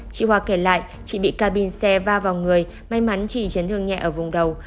chị hoa kể lại chị bị ca bin xe va vào người may mắn trì chấn thương nhẹ ở vùng đầu